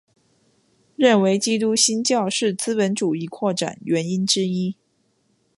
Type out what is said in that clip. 认为基督新教是资本主义扩展原因之一。